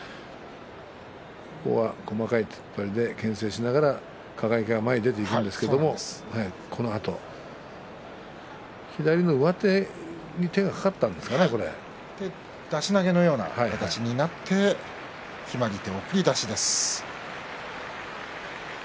細かい突っ張りでけん制しながら輝が前に出ていくんですが左の上手に出し投げのような形になって決まり手は送り出しです。